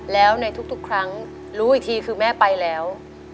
แล้วในทุกครั้งรู้อีกทีคือแม่ไปแล้ว